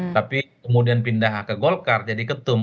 tapi kemudian pindah ke golkar jadi ketum